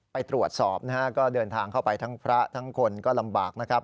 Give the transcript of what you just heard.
ไปตรวจสอบนะฮะก็เดินทางเข้าไปทั้งพระทั้งคนก็ลำบากนะครับ